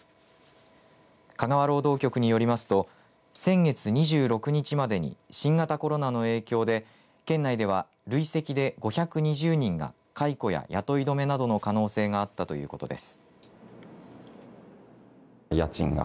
香川労働局によりますと先月２６日までに新型コロナの影響で県内では累積で５２０人が解雇や雇い止めなどの可能性があったということです。